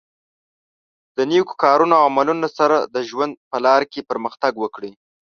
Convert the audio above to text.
د نېکو کارونو او عملونو سره د ژوند په لاره کې پرمختګ وکړئ.